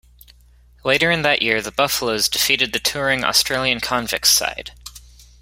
Later in that year, the Buffaloes defeated the touring Australian Convicts side.